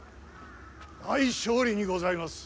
大勝利にございます。